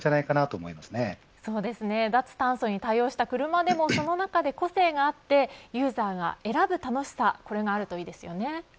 そうですね、脱炭素に対応した車でも、その中で個性があってユーザーが選ぶ楽しさこれがあるといいですよね。